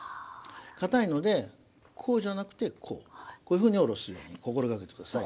かたいのでこうじゃなくてこうこういうふうにおろすように心がけて下さい。